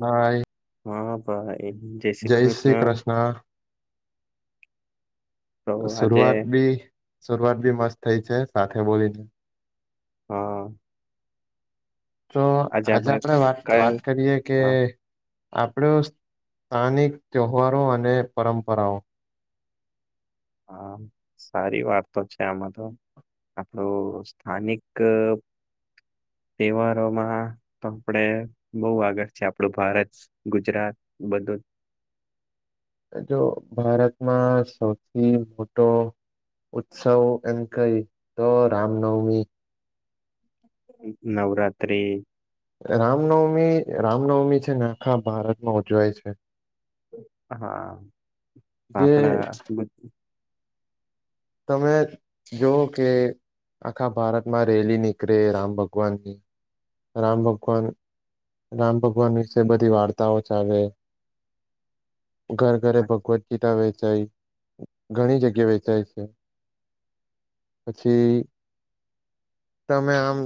ભાઈ હા ભાઈ જય શ્રી કૃષ્ણ. તો શરૂઆત બી શરૂઆત બી મસ્ત થઈ છે, સાથે બોલીને હ. તો આજે આપણે આપડે વાત વાત કયા કરીએ કે હા આપણો સ્થાનિક તહેવારો અને પરંપરાઓ હા સારી વાતો છે, આમાં તો આપડો સ્થાનિક તહેવારોમાં તો આપડે બો આગળ છે, આપડું ભારત ગુજરાત બધું જો ભારતમાં સૌથી મોટો ઉત્સવ એમ કહી તો રામનવમી નવરાત્રિ રામનવમી રામનવમી છે, ને આખા ભારતમાં ઉજવાય છે. હા જે આપડા ગુ તમે જોઓ કે આખા ભારતમાં રેલી નીકળે રામ ભગવાનની રામ ભગવાન રામ ભગવાન વિશે બધી વાર્તાઓ ચાલે ઘરે ઘરે ભગવત ગીતા વેચાય ઘણી જગ્યા વેચાય છે. પછી તમે આમ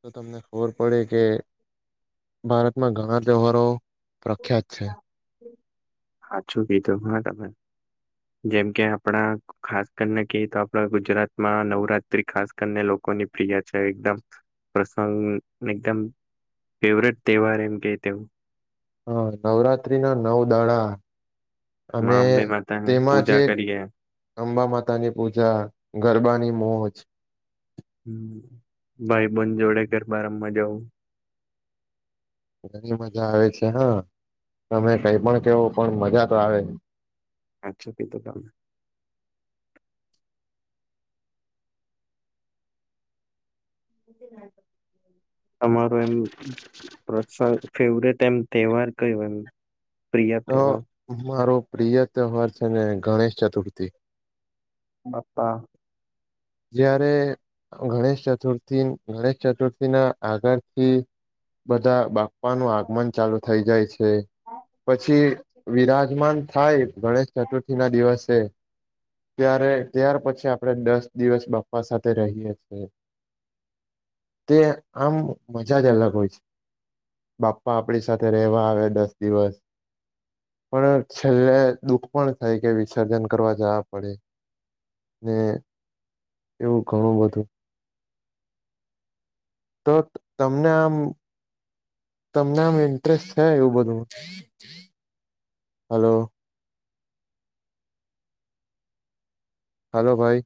તો તમને ખબર પડે કે ભારતમાં ઘણા તહેવારો પ્રખ્યાત છે હાચું કીધું હા તમેં જેમ કે આપણા ખાસ કરીને કેય તો આપડા ગુજરાતમાં નવરાત્રી ખાસ કરને લોકોની પ્રિય છે એકદમ પ્રસંગ એકદમ ફેવરેટ તહેવાર એમ કે તેવુ હ નવરાત્રી ના નવ દાડા અને મા અંબે માતાને તેમાં જે પૂજા કરીએ અંબા માતાની પૂજા ગરબાની મોજ ભાઈબંધ જોડે ગરબા રમવા જવું ઘણી મજા આવે છે હા તમે કઈ પણ કેવો પણ મજા તો આવે હાચું કીધું તમે તમારો એમ પ્રશગ ફેવરેટ એમ તહેવાર કયુ એમ પ્રિય તો તહેવાર મારો પ્રિય તહેવાર છે ને ગણેશ ચતુર્થી બાપ્પા જયારે ગણેશ ચતુર્થી ગણેશ ચતુર્થીના આગળથી બધા બાપ્પા નું આગમન ચાલુ થઇ જાય છે. પછી વિરાજમાન થાય ગણેશ ચતુર્થી ના દિવસે ત્યારે ત્યાર પછી આપણે દસ દિવસ બાપ્પા સાથે રહીએ છી તે આમ મજા જ અલગ હોય છે. બાપ્પા આપડી સાથે રહેવા આવે દસ દિવસ પણ છેલ્લે દુઃખ પણ થાય કે વિસર્જન કરવા જવા પડે [unintelligible] એવું ઘણું બધું તો તમને આમ તમને આમ ઇન્ટરેસ્ટ છે એવું બધું હલો હલો ભાઈ